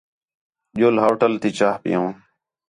جُل ہوٹل تی چاہ پِیؤں